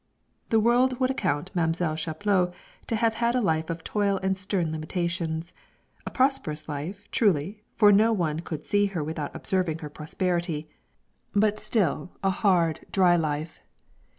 The world would account Mam'selle Chaplot to have had a life of toil and stern limitations; a prosperous life, truly, for no one could see her without observing her prosperity, but still a hard dry life.